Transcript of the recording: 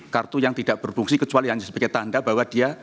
kartu yang tidak berfungsi kecuali hanya sebagai tanda bahwa dia